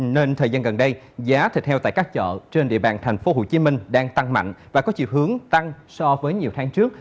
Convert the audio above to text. nên thời gian gần đây giá thịt heo tại các chợ trên địa bàn tp hcm đang tăng mạnh và có chiều hướng tăng so với nhiều tháng trước